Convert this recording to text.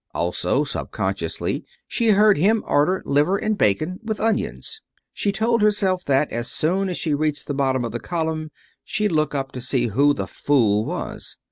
Also, subconsciously, she heard him order liver and bacon, with onions. She told herself that as soon as she reached the bottom of the column she'd look up to see who the fool was.